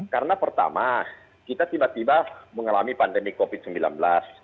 karena pertama kita tiba tiba mengalami pandemi covid sembilan belas